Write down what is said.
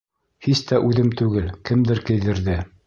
Һис тә үҙем түгел, кемдер кейҙерҙе!